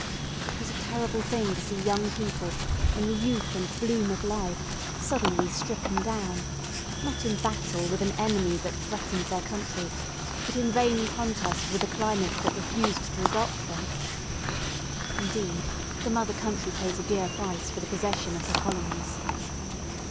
It was a terrible thing to see young people in the youth and bloom of life suddenly stricken down, not in battle with an enemy that threatened their country, but in vain contest with a climate that refused to adopt them. Indeed, the mother country pays a dear price for the possession of her colonies.